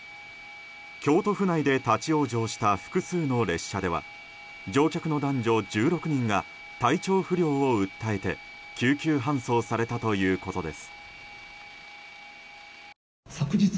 京都府内で立ち往生した複数の列車では乗客の男女１６人が体調不良を訴えて救急搬送されたということです。